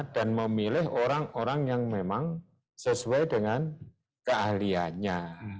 dan memilih orang orang yang memang sesuai dengan keahliannya